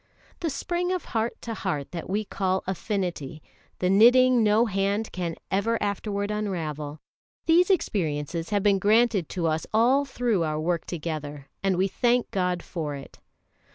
The spring of heart to heart that we call affinity, the knitting no hand can ever afterward unravel these experiences have been granted to us all through our work together, and we thank God for it.